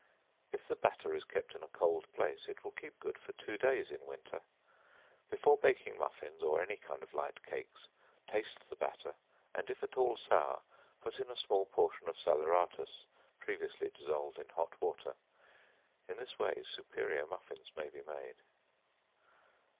If the batter is kept in a cold place it will keep good for two days in winter. Before baking muffins, or any kind of light cakes, taste the batter, and if at all sour, put in a small portion of salaeratus, (previously dissolved in hot water.) In this way superior muffins may be made.